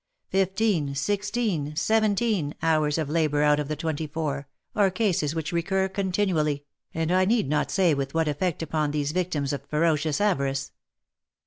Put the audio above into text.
Fifteen, sixteen, seventeen, hours of labour out of the twenty four, are cases which recur continually, and I need not say with what effect upon these vic tims of ferocious avarice.